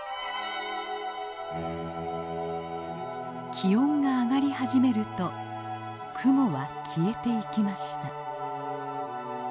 気温が上がり始めると雲は消えていきました。